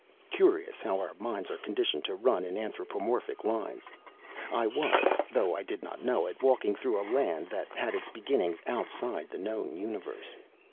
Curious how our minds are conditioned to run in anthropomorphic lines. I was, though I did not know it, walking through a land that had its beginnings outside the known universe.